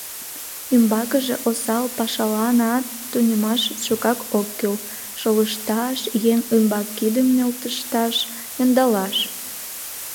Умбакыже осал пашаланат тунемаш шукак ок кӱл: шолышташ, еҥ ӱмбак кидым нӧлтышташ, ондалаш...